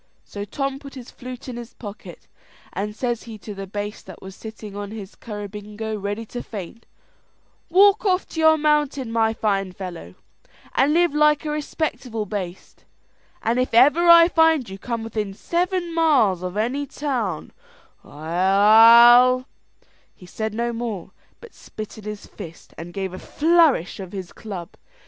So Tom put his flute in his pocket, and says he to the baste that was sittin' on his currabingo ready to faint, "Walk off to your mountain, my fine fellow, and live like a respectable baste; and if ever I find you come within seven miles of any town, I'll " He said no more, but spit in his fist, and gave a flourish of his club.